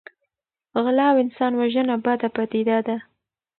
غلا او انسان وژنه بده پدیده ده.